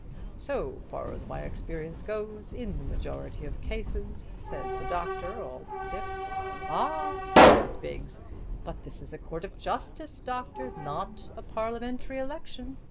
'So far as my experience goes, in the majority of cases,' says the doctor, all stiff. 'Ah!' says Biggs, 'but this is a Court of Justice, Doctor, not a Parliamentary election.